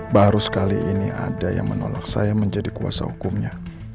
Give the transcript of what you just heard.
baru sekali ini ada yang menolak saya menjadi kuasa hukumnya